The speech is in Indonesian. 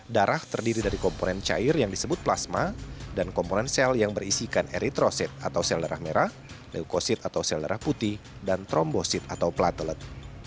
darah terdiri dari komponen cair yang disebut plasma dan komponen sel yang berisikan eritrosit atau sel darah merah leukosit atau sel darah putih dan trombosit atau plattelat